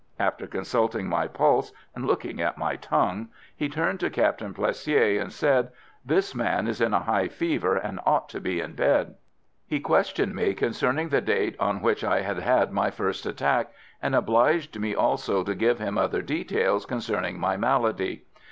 After consulting my pulse, and looking at my tongue, he turned to Captain Plessier and said: "This man is in a high fever, and ought to be in bed." He questioned me concerning the date on which I had had my first attack, and obliged me also to give him other details concerning my malady.